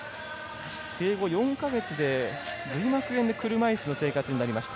生後４か月で髄膜炎で車いすの生活になりました。